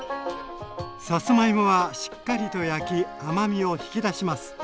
さつまいもはしっかりと焼き甘みを引き出します。